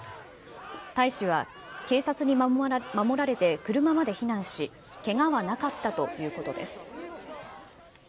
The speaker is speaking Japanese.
大使は警察に守られて車まで避難し、けがはなかったということです。